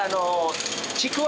ちくわ！